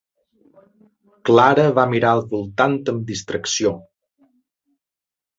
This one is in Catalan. Clara va mirar al voltant amb distracció.